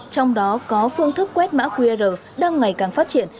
trong đó có phương thức quét mã qr đang ngày càng phát triển